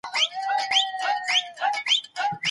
کله ملي ټولپوښتنه ترسره کیږي؟